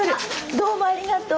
どうもありがとう。